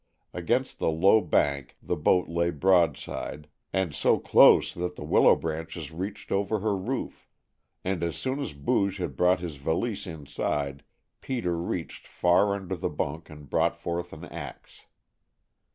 Against the low bank the boat lay broadside and so close that the willow branches reached over her roof, and as soon as Booge had brought his valise inside Peter reached far under the bunk and brought forth an ax.